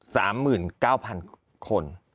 สามหมื่นเก้าพันคน